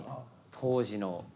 当時の。